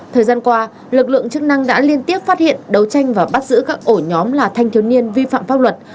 thời gian qua lực lượng chức năng đã liên tiếp phát hiện đấu tranh và bắt giữ các ổ nhóm là thanh thiếu niên vi phạm pháp luật